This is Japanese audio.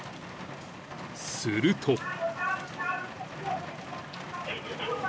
［すると］